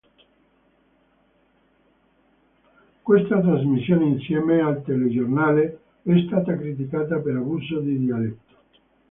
Questa trasmissione, insieme al telegiornale, è stata criticata per abuso di dialetto.